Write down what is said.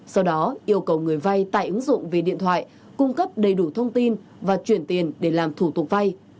sau đó yêu cầu người vay tại ứng dụng về điện thoại cung cấp đầy đủ thông tin và chuyển tiền để làm thủ tục vay